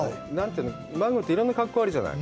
マンゴーって、いろんな格好があるじゃない。